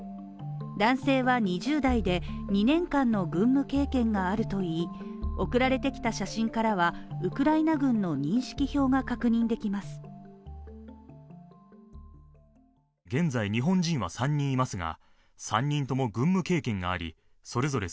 男性は２０代で、２年間の軍務経験があるといい、送られてきた写真からはウクライナ軍の認識票が確認できます。